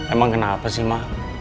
emang kenapa sih ma